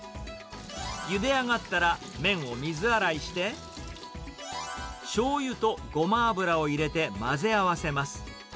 ゆで上がったら、麺を水洗いして、しょうゆとごま油を入れて混ぜ合わせます。